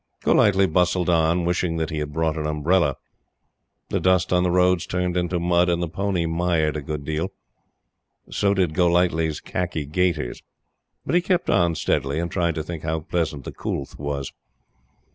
Golightly bustled on, wishing that he had brought an umbrella. The dust on the roads turned into mud, and the pony mired a good deal. So did Golightly's khaki gaiters. But he kept on steadily and tried to think how pleasant the coolth was.